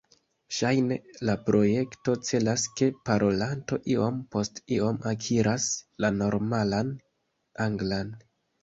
Ŝajne la projekto celas ke parolanto iom-post-iom akiras la normalan anglan.